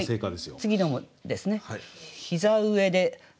次のもですね。